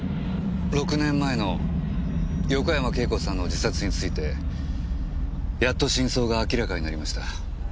６年前の横山慶子さんの自殺についてやっと真相が明らかになりました。